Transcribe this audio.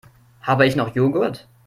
Habe ich noch Joghurt?